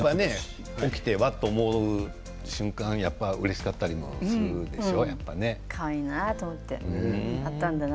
起きてうわっ！と思う瞬間とうれしかったりするでしょう。